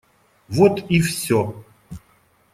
Вот и все.